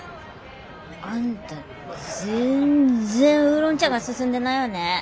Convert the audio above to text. あんた全然ウーロン茶が進んでないわね。